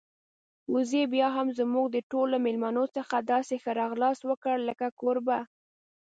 وزې بيا هم زموږ د ټولو میلمنو څخه داسې ښه راغلاست وکړ لکه کوربه.